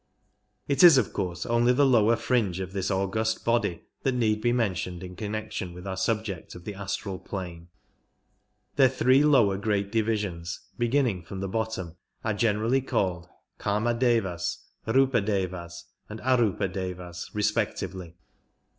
It is of course only the lower fringe of this august body that need be mentioned in connection with our subject of the astral plane. Their three lower great divisions (be ginning from the bottom) are generally called Kamadevas, Rupadevas, and ArQpadevas respectively.